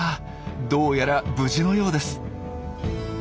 どうやら無事のようです。